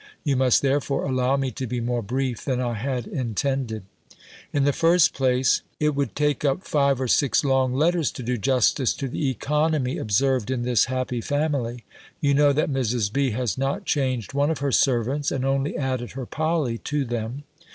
You must therefore allow me to be more brief than I had intended. In the first place, it would take up five or six long letters to do justice to the economy observed in this happy family. You know that Mrs. B. has not changed one of her servants, and only added her Polly to them.